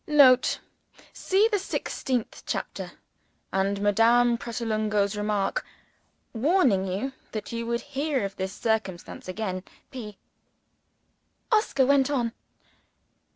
[Note. See the sixteenth chapter, and Madame Pratolungo's remark, warning you that you would hear of this circumstance again. P.] Oscar went on.